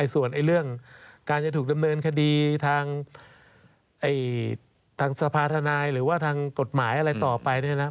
ส่วนเรื่องการจะถูกดำเนินคดีทางสภาธนายหรือว่าทางกฎหมายอะไรต่อไป